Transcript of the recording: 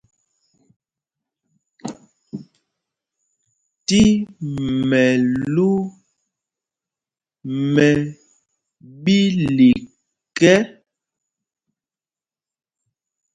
Ti mɛlu mɛ ɓílik ɛ.